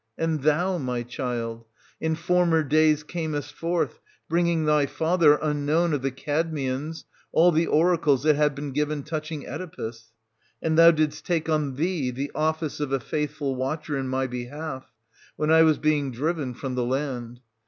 And thou, my child, in former days camest forth, bringing thy father, unknown of the Cadmeans, all the oracles that had been given touching Oedipus ; and thou didst take on thee the office of a faithful watcher in my behalf, when I was being driven from the land.